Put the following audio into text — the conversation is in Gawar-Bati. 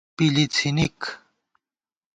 پِلی څِھنِک